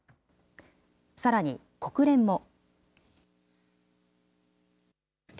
さらに、国連も。